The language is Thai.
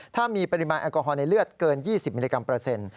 ถ้ามีปริมาณแอลกอฮอลในเลือดเกิน๒๐มิลลิกรัมเปอร์เซ็นต์